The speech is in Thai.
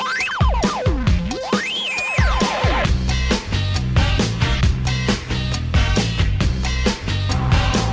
ดิ่งสอด